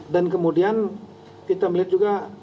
dan kemudian kita melihat juga